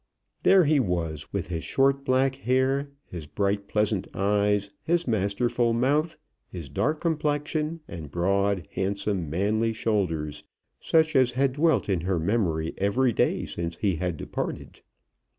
There he was, with his short black hair, his bright pleasant eyes, his masterful mouth, his dark complexion, and broad, handsome, manly shoulders, such as had dwelt in her memory every day since he had departed.